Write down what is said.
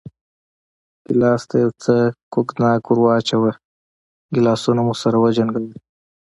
ګیلاس ته یو څه کوګناک ور واچوه، ګیلاسونه مو سره وجنګول.